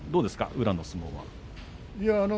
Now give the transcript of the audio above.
宇良の相撲。